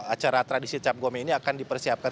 acara tradisi cap gome ini akan dipersiapkan